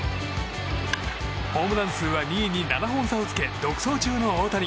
ホームラン数は、２位に７本差をつけ独走中の大谷。